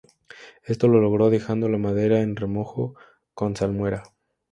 Esto lo logró dejando la madera en remojo con salmuera.